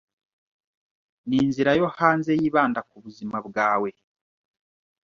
Ninzira yo hanze yibanda kubuzima bwawe